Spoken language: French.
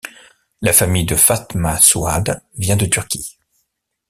La famille de Fatma Souad vient de Turquie.